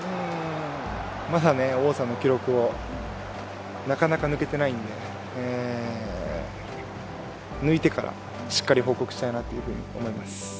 まだ王さんの記録をなかなか抜けてないんで抜いてからしっかり報告したいなと思います。